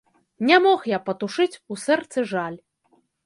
Не мог я патушыць у сэрцы жаль.